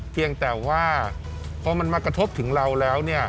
เพียงแต่ว่าพอมันมากระทบถึงเราแล้วเนี่ย